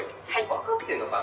分かってんのか？